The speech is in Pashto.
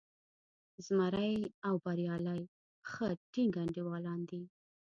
زمری او بریالی ښه ټینګ انډیوالان دي.